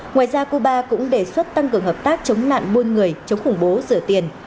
ngoài ra cuba cũng đề xuất tăng cường hợp tác chống nạn buôn người chống khủng bố rửa tiền